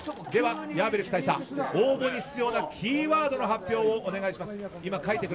ヤーベリック大佐応募に必要なキーワードの発表をお願いします。